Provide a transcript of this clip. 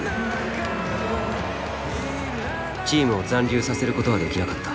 チームを残留させることはできなかった。